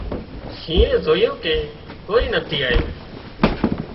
شِينهئي زويُون ڪي ڪوئي نٿي آيون